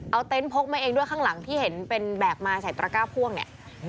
เอาเต็นต์พกมาเองด้วยข้างหลังที่เห็นเป็นแบกมาใส่ตระก้าพ่วงเนี่ย